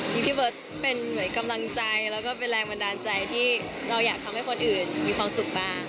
มีพี่เบิร์ตเป็นเหมือนกำลังใจแล้วก็เป็นแรงบันดาลใจที่เราอยากทำให้คนอื่นมีความสุขบ้าง